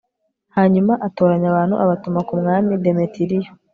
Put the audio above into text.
hanyuma atoranya abantu abatuma ku mwami demetiriyo